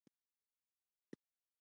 د غزني په قره باغ کې د اوسپنې نښې شته.